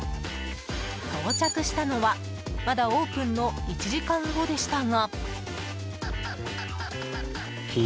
到着したのは、まだオープンの１時間後でしたが。